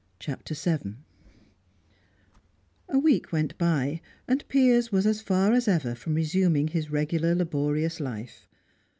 CHAPTER VII A week went by, and Piers was as far as ever from resuming his regular laborious life.